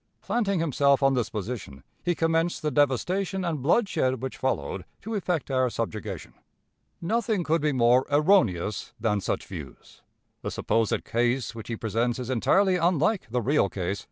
Planting himself on this position, he commenced the devastation and bloodshed which followed to effect our subjugation. Nothing could be more erroneous than such views. The supposed case which he presents is entirely unlike the real case.